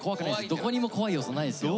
どこにも怖い要素ないですよ。